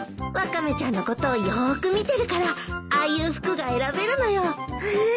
ワカメちゃんのことをよーく見てるからああいう服が選べるのよ。